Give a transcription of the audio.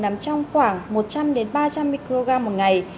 nằm trong khoảng một trăm linh ba trăm linh microgram một ngày